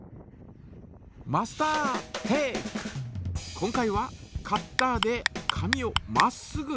今回はカッターで紙をまっすぐ切る。